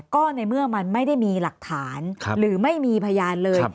ก็ในเมื่อมันไม่ได้มีหลักฐานหรือไม่มีพยานเลย